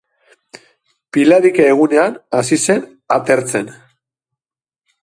Pilarika egunean hasi zen atertzen.